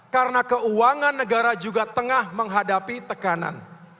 karena keuangan negara juga tengah menghadapi tekanan